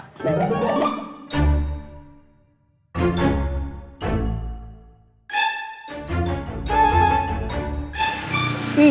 tidak ada yang mau